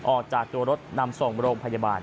ออกจากตัวรถนำส่งโรงพยาบาล